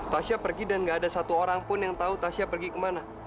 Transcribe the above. tasya pergi dan gak ada satu orang pun yang tahu tasya pergi kemana